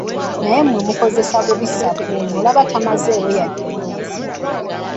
Naye mwe mukozesa bubi ssabbuuni olaba tamazeewo yadde mwezi.